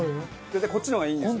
こっちの方がいいんですね。